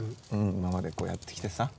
今までこうやってきてさ。